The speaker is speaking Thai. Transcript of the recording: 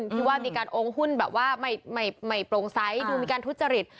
ที่ว่ามีการโองหุ้นแบบว่าไม่โปร่งใสดูมีการทุจริต